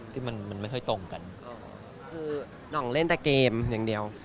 ที่มันมันไม่ค่อยตรงกันคือหน่องเล่นแต่เกมอย่างเดียว